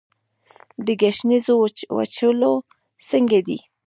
د ګشنیزو وچول څنګه دي؟